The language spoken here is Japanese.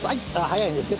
早いですか。